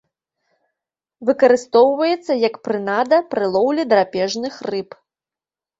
Выкарыстоўваецца як прынада пры лоўлі драпежных рыб.